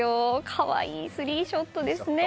可愛いスリーショットですね。